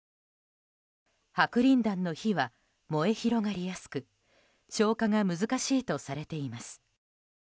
白リン弾の火は燃え広がりやすく消火が難しいとされています。